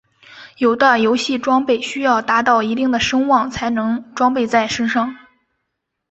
有的游戏装备需要达到一定的声望才能装备在身上。